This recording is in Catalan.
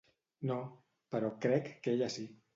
No, però crec que ella sí.